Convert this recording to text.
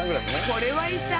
これはいた？